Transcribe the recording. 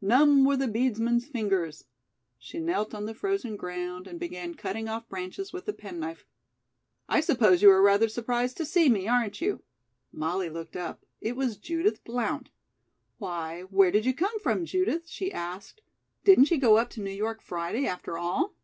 "'Numb were the beadsman's fingers '" She knelt on the frozen ground and began cutting off branches with the penknife. "I suppose you are rather surprised to see me, aren't you?" Molly looked up. It was Judith Blount. "Why, where did you come from, Judith?" she asked. "Didn't you go up to New York Friday, after all?"